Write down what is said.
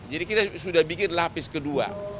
jadi kita sudah bikin lapis kedua